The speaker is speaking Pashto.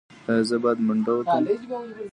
ایا زه باید منډه وکړم؟